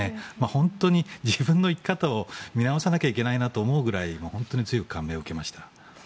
本当に自分の生き方を見直さなきゃいけないなと思うぐらい本当に強く感銘を受けました。